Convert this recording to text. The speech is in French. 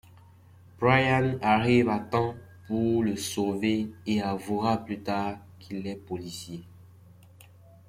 Brian arrive à temps pour le sauver et avouera plus tard qu'il est policier.